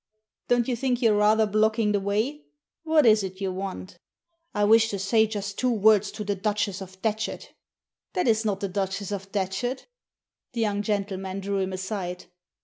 " Don't you think you're rather blocking the way ? What is it you want ?"" I wish to say just two words to the Duchess of Datchet" " That is not the Duchess of Datchet." The young gentleman drew him aside.